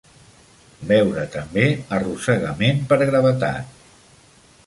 Veure també arrossegament per gravetat.